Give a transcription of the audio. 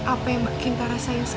apa yang mbak kinta rasain sekarang